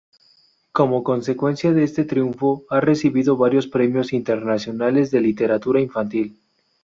Como consecuencia de este triunfo ha recibido varios premios internacionales de literatura infantil.